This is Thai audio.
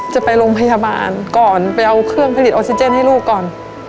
จะไปโรงพยาบาลก่อนไปเอาเครื่องผลิตออกซิเจนให้ลูกก่อน